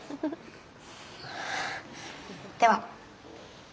では。